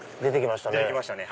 出てきましたね。